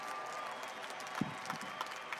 色萨利。